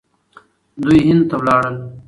دوی هند ته ولاړل.